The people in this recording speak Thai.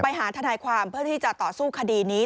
ทนายความเพื่อที่จะต่อสู้คดีนี้